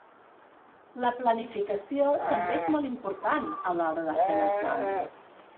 La planificació també és molt important a l’hora de fer l’examen.